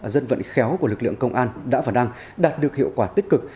dân vận khéo của lực lượng công an đã và đang đạt được hiệu quả tích cực